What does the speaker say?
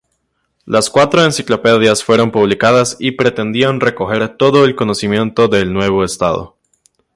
Las cuatro enciclopedias fueron publicadas y pretendían recoger todo el conocimiento del nuevo estado.